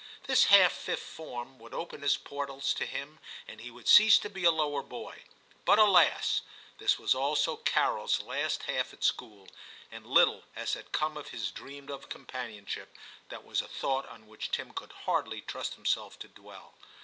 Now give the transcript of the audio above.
This half Fifth Form would open its portals to him, and he would cease to be a lower boy ; but, alas! this was also Carols last half at school, and little as had come of his dreamed of companionship, that was a thought on which Tim could hardly trust himself to dwell.